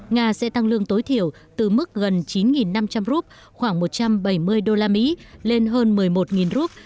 nga sẽ tăng lương tối thiểu từ mức gần chín năm trăm linh rup khoảng một trăm bảy mươi usd lên hơn một mươi một rup